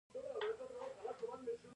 د کلینک پۀ فرش به دوړې جمع شوې وې ـ